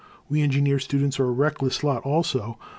' We engineer students are a reckless lot, also.